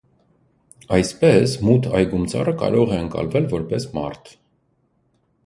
Այսպես՝ մութ այգում ծառը կարող է ընկալվել որպես մարդ։